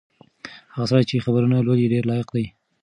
هغه سړی چې خبرونه لولي ډېر لایق دی.